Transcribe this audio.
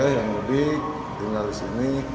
yang mudik tinggal di sini